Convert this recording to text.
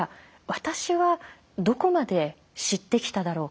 私はどこまで知ってきただろうか